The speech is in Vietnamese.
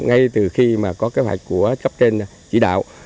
ngay từ khi mà có kế hoạch của cấp trên chỉ đạo